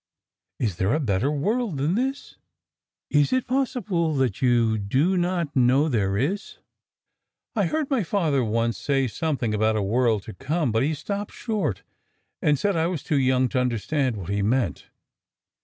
"Is there a better world than this?" "Is it possible you do not know there is?" "I heard my father once say something about a world to come; but he stopped short, and said I was too young to understand what he meant."